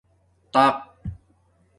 تَق